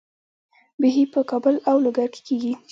بیحي په کابل او لوګر کې کیږي.